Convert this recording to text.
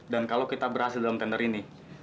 dan kalau kita berhasil dalam tender ini